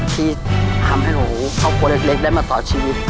ที่ทำให้หนูครอบครัวเล็กได้มาต่อชีวิต